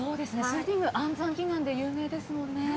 水天宮、安産祈願で有名ですもんね。